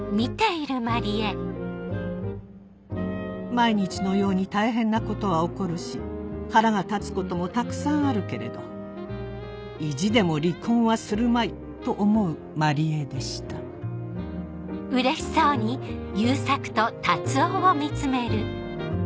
毎日のように大変なことは起こるし腹が立つこともたくさんあるけれど意地でも離婚はするまいと思う万里江でしたフッ。